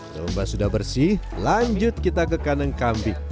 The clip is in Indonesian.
domba sudah bersih lanjut kita ke kandang kambing